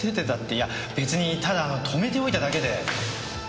いや別にただ止めておいただけで。